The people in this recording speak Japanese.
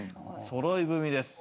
そろい踏みです。